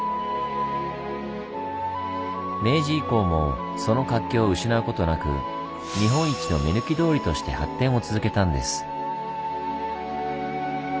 明治以降もその活気を失うことなく日本一の目抜き通りとして発展を続けたんです。